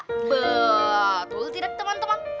betul tidak teman teman